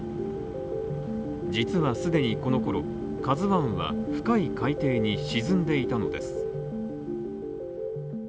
実は既にこの頃「ＫＡＺＵ１」は深い海底に沈んでいたのです。